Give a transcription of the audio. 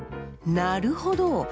なるほど。